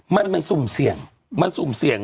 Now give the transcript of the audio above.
มันไม่สุ่มเสี่ยง